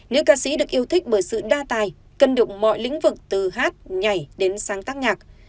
nữ ca sĩ được yêu thích bởi sự đa tài cân đụng mọi lĩnh vực từ hát nhảy đến sáng tác nhạc